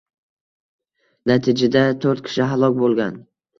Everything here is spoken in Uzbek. Natijada to‘rt kishi halok bo‘lgan